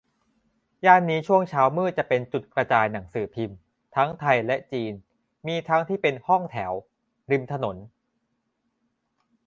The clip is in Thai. ย่านนี้ช่วงเช้ามืดจะเป็นจุดกระจายหนังสือพิมพ์ ทั้งไทยและจีน มีทั้งที่เป็นห้องแถว ริมถนน